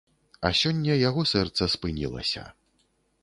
А сёння яго сэрца спынілася.